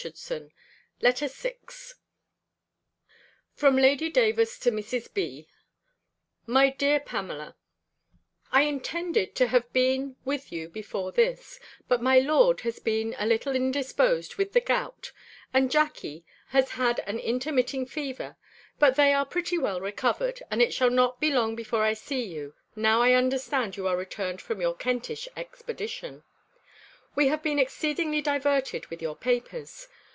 ANDREWS. LETTER VI From Lady Davers to Mrs. B. MY DEAR PAMELA, I intended to have been with you before this: but my lord has been a little indisposed with the gout, and Jackey has had an intermitting fever: but they are pretty well recovered, and it shall not be long before I see you, now I understand you are returned from your Kentish expedition. We have been exceedingly diverted with your papers.